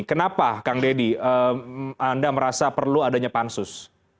kenapa kang deddy anda merasa perlu adanya pansus